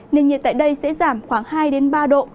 nền nhiệt tại đây sẽ giảm khoảng hai ba độ